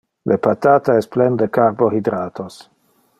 Le patata es plen de carbohydratos.